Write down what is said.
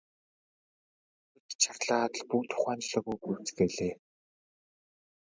Охид чарлаад л бүгд ухаан жолоогүй гүйцгээлээ.